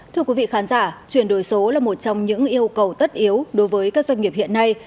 thưa quý vị khán giả chuyển đổi số là một trong những yêu cầu tất yếu đối với các doanh nghiệp hiện nay